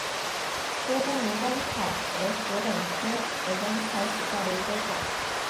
多秆鹅观草为禾本科鹅观草属下的一个种。